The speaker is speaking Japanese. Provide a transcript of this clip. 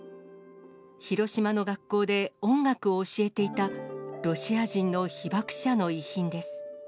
広島の学校で音楽を教えていた、ロシア人の被爆者の遺品です。